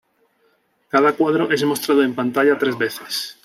Cada cuadro es mostrado en pantalla tres veces.